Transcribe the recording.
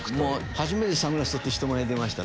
初めてサングラス取って人前出ました。